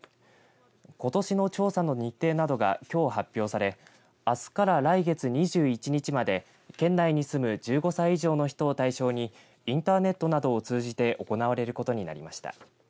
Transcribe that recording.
ことしの調査の日程などがきょう発表されあすから来月２１日まで県内に住む１５歳以上の人を対象にインターネットなどを通じて行われることになりました。